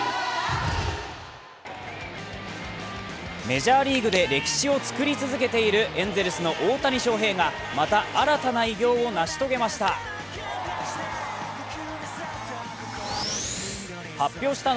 メジャーリーグで歴史を作り続けているエンゼルスの大谷翔平が、また新たな偉業を成し遂げました。